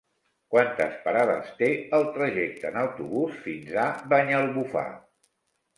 Quantes parades té el trajecte en autobús fins a Banyalbufar?